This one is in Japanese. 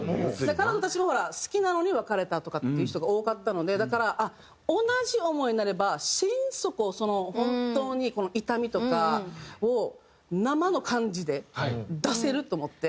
彼女たちも好きなのに別れたとかっていう人が多かったのでだから同じ思いになれば心底本当に痛みとかを生の感じで出せると思って。